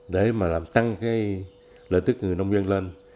để mà làm tăng cái lợi tức người nông dân lên